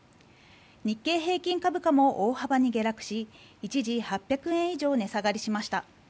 日経平均株価も大幅に下落し一時、８００円以上値下がりしました。